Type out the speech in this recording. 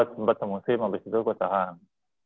kosebos tempat musim abis itu kota hang